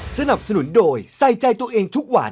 สนับสนุนโดยใส่ใจตัวเองทุกวัน